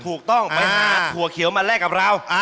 ถูกต้องไปหาถั่วเขียวมาแลกกับเรา